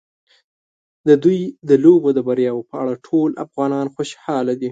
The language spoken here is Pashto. د دوی د لوبو د بریاوو په اړه ټول افغانان خوشاله دي.